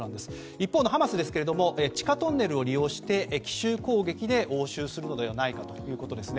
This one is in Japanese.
一方のハマスですけれども地下トンネルを利用して奇襲攻撃で応酬するのではないかということです。